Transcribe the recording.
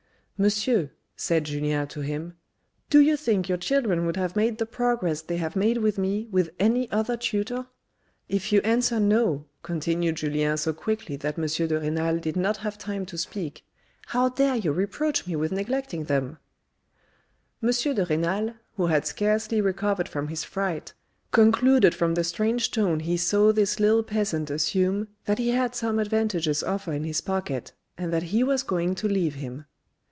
" Monsieur," said Julien to him, " Do you think your children would have made the progress they have made with me with any other tutor? If you answer 'No,'" continued Julien so quickly that M. de Renal did not have time to speak, " how dare you reproach me with neglecting them ?" M. de Renal, who had scarcely recovered from his fright, concluded from the strange tone he saw this little peasant assume, that he had some advantageous offer in his pocket, and that he was going to leave him.